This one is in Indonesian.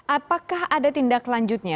apakah ada tindak lanjutnya